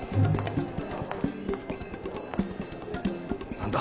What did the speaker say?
何だ？